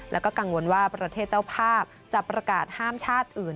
แล้วก็กังวลว่าประเทศเจ้าภาพจะประกาศห้ามชาติอื่น